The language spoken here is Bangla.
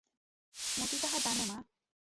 মতি তাহা জানে মা।